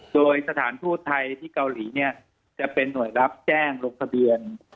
โดยสถานทูตไทยที่เกาหลีเนี่ยจะเป็นหน่วยรับแจ้งลงทะเบียน